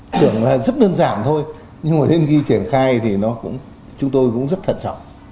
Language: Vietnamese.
tưởng là rất đơn giản thôi nhưng mà đến khi triển khai thì chúng tôi cũng rất thận trọng